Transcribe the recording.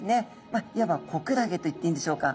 まあいわば子クラゲといっていいんでしょうか。